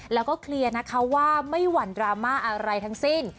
แล้วก็เคลียร์นะคะว่าไม่หวั่นดราม่าอะไรทั้งสิ้น